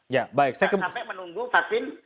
ya baik saya sampai menunggu vaksin